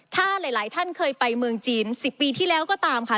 ถ้าหลายท่านเคยไปเมืองจีน๑๐ปีที่แล้วก็ตามค่ะ